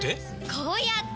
こうやって！